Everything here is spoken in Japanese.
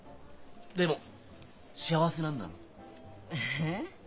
でも幸せなんだろ？え？